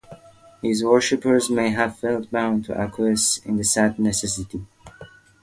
His worshipers may have felt bound to acquiesce in the sad necessity.